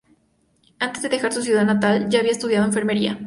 Antes de dejar su ciudad natal ya había estudiado enfermería.